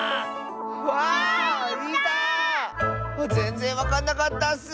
あっぜんぜんわかんなかったッス。